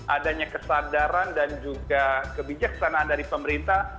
adanya kesadaran dan juga kebijaksanaan dari pemerintah